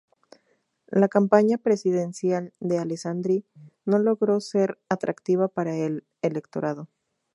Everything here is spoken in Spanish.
La campaña presidencial de Alessandri no logró ser atractiva para el electorado.